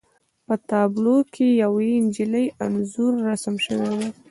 په تابلو کې د یوې نجلۍ انځور رسم شوی و